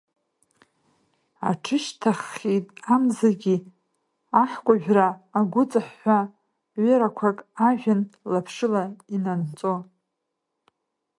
Аҽышьҭнаххьеит амзагьы, аҳкәажәра агәыҵаҳәҳәа, ҩырақәак ажәҩан лаԥшыла инанҵо.